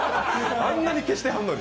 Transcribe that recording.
あんなに消してはんのに。